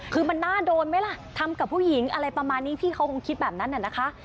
คือมันน่าโดนไหมล่ะทำกับผู้หญิงอะไรประมาณนี้พี่เขาคงคิดแบบนั้นน่ะนะคะ